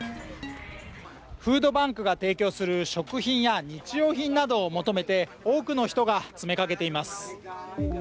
フードバンクが提供する食品や日用品などを求めて多くの人が詰めかけています。